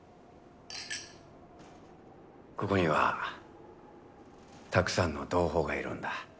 ここにはたくさんの同胞がいるんだ。